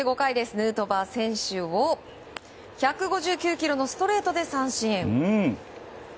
ヌートバー選手を１５９キロのストレートで三振。